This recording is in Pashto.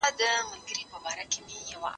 ما چي ول ته به بالا ډوډۍ ونه خورې